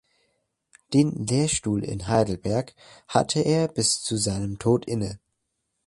Den Lehrstuhl in Heidelberg hatte er bis zu seinem Tod inne.